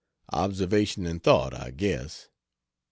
Observation and thought, I guess.